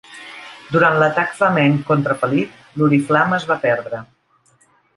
Durant l'atac flamenc contra Felip, l'oriflama es va perdre.